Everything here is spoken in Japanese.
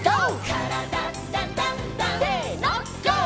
「からだダンダンダン」せのＧＯ！